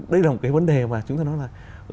đây là một cái vấn đề mà chúng ta nói là